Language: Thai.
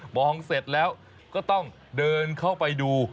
มองเสร็จแล้วก็ต้องเดินเข้าไปดู